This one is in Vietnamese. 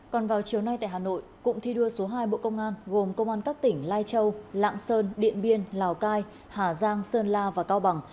còn vào chiều nay tại hà nội cụm thi đua số hai bộ công an gồm công an các tỉnh lai châu lạng sơn điện biên lào cai hà giang sơn la và cao bằng